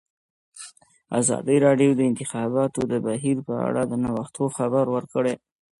ازادي راډیو د د انتخاباتو بهیر په اړه د نوښتونو خبر ورکړی.